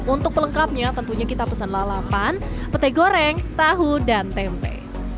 untuk pelengkapnya tentunya kita pesan lalapan petai goreng tahu dan tempe